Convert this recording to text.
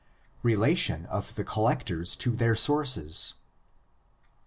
RELATION OF THE COLLECTORS TO THEIR SOURCES.